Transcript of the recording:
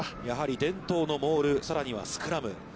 やはり伝統のモール、さらにはスクラム。